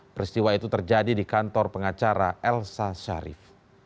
peristiwa itu terjadi di kantor pengacara elsa sharif